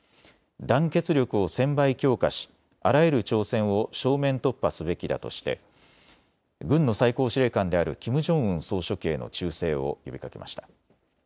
団結力を１０００倍強化し、あらゆる挑戦を正面突破すべきだとして軍の最高司令官であるキム・ジョンウン総書記への忠誠を呼びかけました。